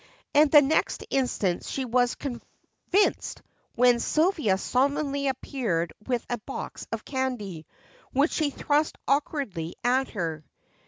And the next instant she was convinced when Sylvia solemnly appeared with a box of candy, which she thrust awkwardly at her.